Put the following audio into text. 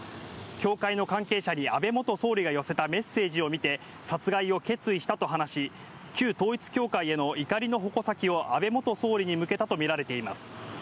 教会の関係者に安倍元総理が寄せたメッセージを見て殺害を決意したと話し、旧統一教会への怒りの矛先を安倍元総理に向けたとみられています。